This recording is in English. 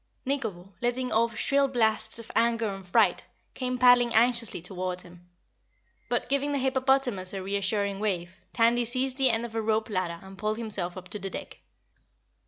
Nikobo, letting off shrill blasts of anger and fright, came paddling anxiously toward him. But giving the hippopotamus a reassuring wave, Tandy seized the end of a rope ladder and pulled himself up to the deck.